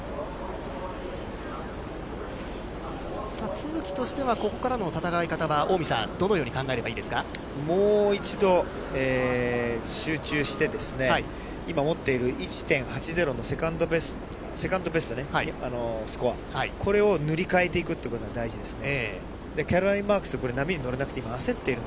都筑としては、ここからの戦い方は、近江さん、もう一度、集中して、今、持っている１．８０のセカンドベストスコア、これを塗り替えていくということが大事ですね。